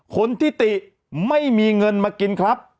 คนที่ติไม่มีเงินมากินครับ